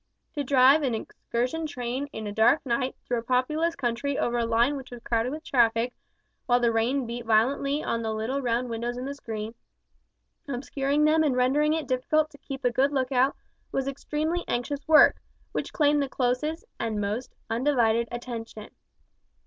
To drive an excursion train in a dark night through a populous country over a line which was crowded with traffic, while the rain beat violently on the little round windows in the screen, obscuring them and rendering it difficult to keep a good look out was extremely anxious work, which claimed the closest and most undivided attention.